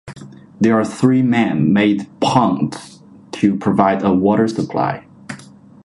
There are three man made ponds to provide a water supply.